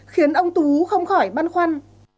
khiến ông tú không khỏi băn khoăn